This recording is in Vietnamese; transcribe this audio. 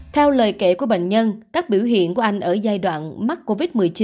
theo lời kể của bệnh nhân các biểu hiện của anh ở giai đoạn mắc covid một mươi chín